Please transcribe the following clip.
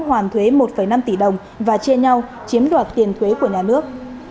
hoàn thuế một năm tỷ đồng và chia nhau chiếm đoạt tiền thuế của nhà nước